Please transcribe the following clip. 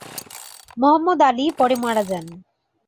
মোহাম্মদ আলী পরে মারা যান।